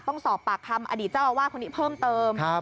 ต้องสอบปากคำอดีตเจ้าอาวาสคนนี้เพิ่มเติม